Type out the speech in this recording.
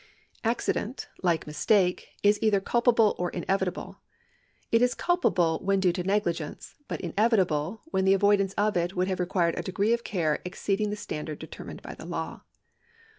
Accident, Hke mistake, is either culpable or inevitable. It is culpable when due to negligence, but inevitable when the avoidance of it would have required a degree of care exceed ing the standard demanded by the law.